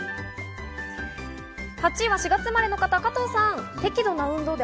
８位は４月生まれの方、加藤さん。